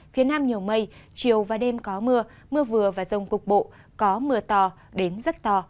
phía nam nhiều mây chiều và đêm có mưa mưa vừa và rông cục bộ có mưa to đến rất to